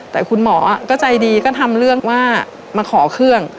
แต่คุณหมอก็ใจดีก็ทำเรื่องว่ามาขอเครื่อง